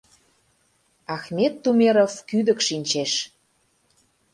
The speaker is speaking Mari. Ахмет Тумеров кӱдык шинчеш.